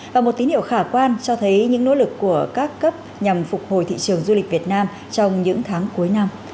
và một tín hiệu khả quan cho thấy những nỗ lực của các cấp nhằm phục hồi thị trường du lịch việt nam trong những tháng cuối năm